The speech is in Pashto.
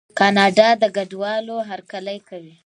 کاناډا د کډوالو هرکلی کوي.